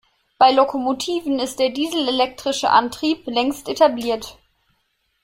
Bei Lokomotiven ist der dieselelektrische Antrieb längst etabliert.